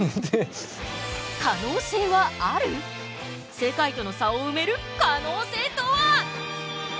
世界との差をうめる可能性とは？